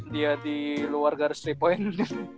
dia di luar garis tiga point